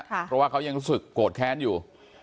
เพราะว่าเขายังรู้สึกโกรธแค้นอยู่